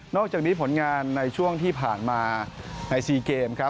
อกจากนี้ผลงานในช่วงที่ผ่านมาใน๔เกมครับ